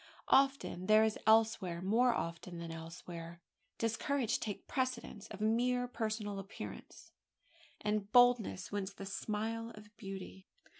Often there as elsewhere more often than elsewhere does courage take precedence of mere personal appearance, and boldness wins the smile of beauty.